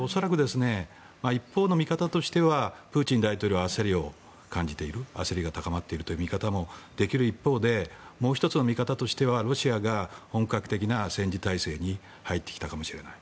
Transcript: そういう意味では恐らく一方の見方としてはプーチン大統領は焦りが高まっているという見方もできる一方でもう１つの見方としてはロシアが本格的な戦時体制に入ってきたかもしれない。